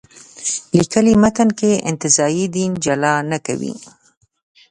لیکلي متن کې انتزاعي دین جلا نه کوي.